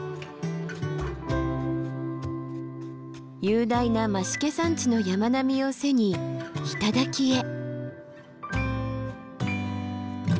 雄大な増毛山地の山並みを背に頂へ。